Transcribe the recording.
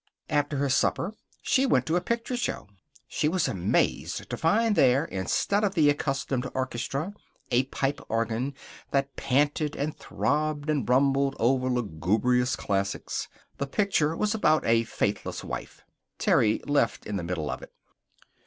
After her supper she went to a picture show. She was amazed to find there, instead of the accustomed orchestra, a pipe organ that panted and throbbed and rumbled over lugubrious classics. The picture was about a faithless wife. Terry left in the middle of it.